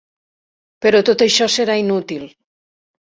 Però tot això serà inútil.